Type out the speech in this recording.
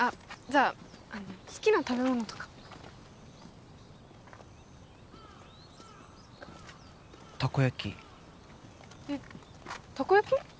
じゃあ好きな食べ物とかたこ焼きえったこ焼き？